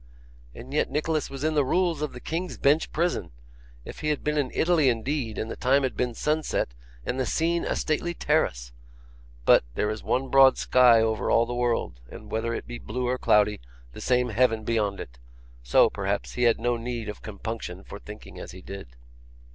And yet Nicholas was in the Rules of the King's Bench Prison! If he had been in Italy indeed, and the time had been sunset, and the scene a stately terrace! But, there is one broad sky over all the world, and whether it be blue or cloudy, the same heaven beyond it; so, perhaps, he had no need of compunction for thinking as he did.